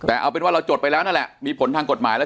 แต่เอาเป็นว่าเราจดไปแล้วนั่นแหละมีผลทางกฎหมายแล้ว